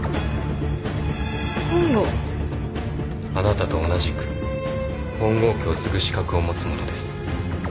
あなたと同じく本郷家を継ぐ資格を持つ者です。